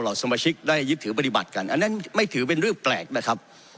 สมาชิกได้ยึดถือปฏิบัติกันอันนั้นไม่ถือเป็นเรื่องแปลกนะครับ